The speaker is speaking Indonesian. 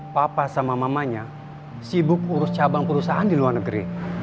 papa sama mamanya sibuk urus cabang perusahaan di luar negeri